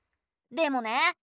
でもね